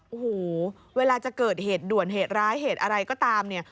โอ้โหเวลาจะเกิดเหตุด่วนเหตุร้ายเหตุอะไรก็ตามเนี่ย